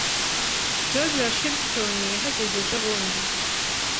George Washington yahageze ejobundi.